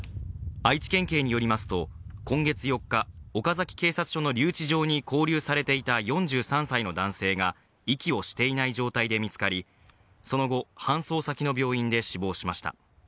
愛知県警によりますと、今月４日、岡崎警察署の留置場に勾留されていた４３歳の男性が息をしていない状態で見つかり、その後、搬送先の病院で死亡しました。